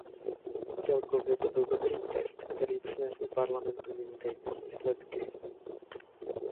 Celkově to byl dobrý test, který přinesl Parlamentu vynikající výsledky.